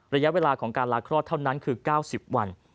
ระยะเวลาของการลาคลอดเท่านั้นคือ๙๐วัน